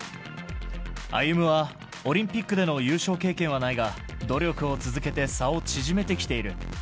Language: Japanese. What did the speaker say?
歩夢はオリンピックでの優勝経験はないが、努力を続けて差を縮めてきている。